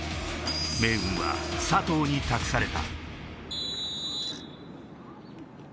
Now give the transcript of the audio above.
命運は佐藤に託された。